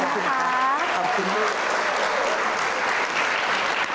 ขอบคุณด้วย